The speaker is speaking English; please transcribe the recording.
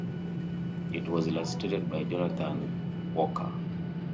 It was illustrated by Jonathan Walker.